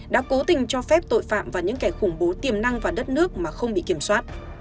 đã cố tình cho phép tội phạm và những kẻ khủng bố tiềm năng vào đất nước mà không bị kiểm soát